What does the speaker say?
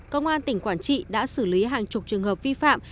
công an tỉnh quảng trị đã xử lý hàng chục trường hợp vi phạm